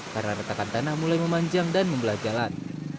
karena retakan tanah mulai memanjang dan membelah jalan